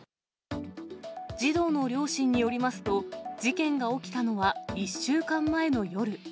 児童の両親によりますと、事件が起きたのは１週間前の夜。